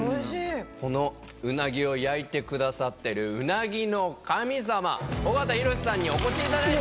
このうなぎを焼いてくださってるうなぎの神様緒方弘さんにお越しいただいてます。